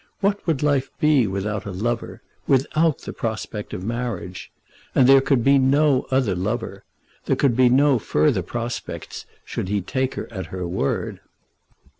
What would life be without a lover, without the prospect of marriage? And there could be no other lover. There could be no further prospect should he take her at her word.